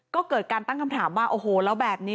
ก็เกิดการตั้งคำถามว่าโอ้โหแล้วแบบนี้